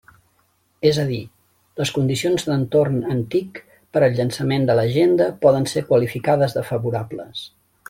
És a dir, les condicions d'entorn en TIC per al llançament de l'Agenda poden ser qualificades de favorables.